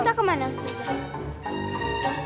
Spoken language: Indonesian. kita kemana ustazah